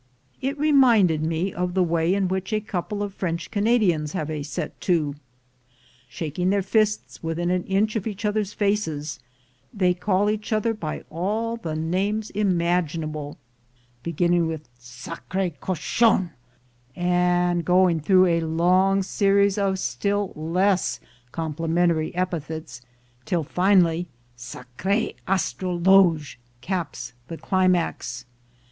It reminded me of the way in which a couple of French Canadians have a set to. Shaking their fists within an inch of each other's faces, they call each other all the names imaginable, beginning with sacre cockon, and going through a long series of still less complimentary epithets, till finally sacre astrologe caps the climax.